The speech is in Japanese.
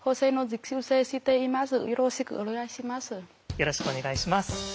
よろしくお願いします。